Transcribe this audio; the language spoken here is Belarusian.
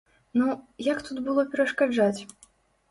Ну, як тут было перашкаджаць?!